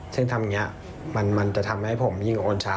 ซึ่งทำอย่างนี้มันจะทำให้ผมยิ่งโอนช้า